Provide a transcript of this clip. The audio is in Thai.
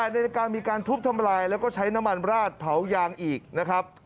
ในรายการมีการทุบทำลายแล้วก็ใช้น้ำมันราดเผายางอีกนะครับ